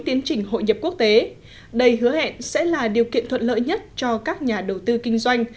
tiến trình hội nhập quốc tế đây hứa hẹn sẽ là điều kiện thuận lợi nhất cho các nhà đầu tư kinh doanh